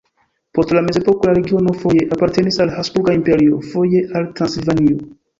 Post la mezepoko la regiono foje apartenis al Habsburga Imperio, foje al Transilvanio.